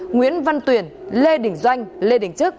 nguyễn văn tuyển lê đỉnh doanh lê đỉnh trức